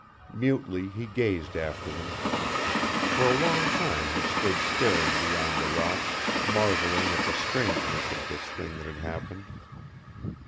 Mutely he gazed after them. For a long time he stood staring beyond the rocks, marveling at the strangeness of this thing that had happened.